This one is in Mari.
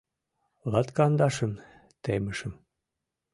— Латкандашым темышым.